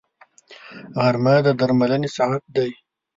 غرمه د درملنې ساعت دی